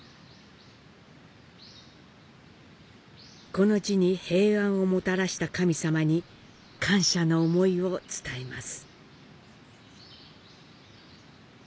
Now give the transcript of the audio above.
この地に平安をもたらした神様に感謝の思いを伝えます。